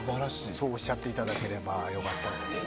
そうおっしゃっていただけて良かったです。